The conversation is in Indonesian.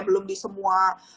belum di semua